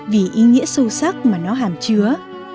vì ý nghĩa sâu sắc mà nó hàm chứa